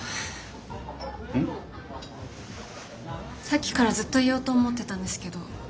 さっきからずっと言おうと思ってたんですけど。